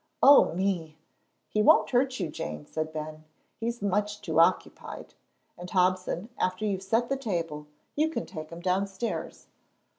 "Oh, me!" "He won't hurt you, Jane," said Ben; "he's too much occupied. And Hobson, after you have set the table, you can take him downstairs."